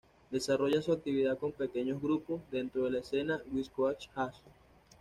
Desarrolla su actividad con pequeños grupos, dentro de la escena West Coast jazz.